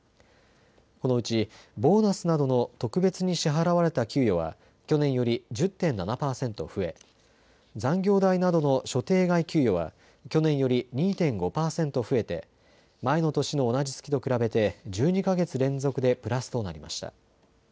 このうちボーナスなどの特別に支払われた給与は去年より１０．７％増え残業代などの所定外給与は去年より２．５％増えて前の年の同じ月と比べて１２か月連続でプラスとなりました。